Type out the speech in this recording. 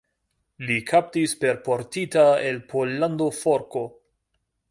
Li kaptis per portita el Pollando forko.